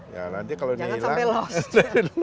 jangan sampai lost